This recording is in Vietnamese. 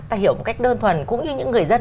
ta hiểu một cách đơn thuần cũng như những người dân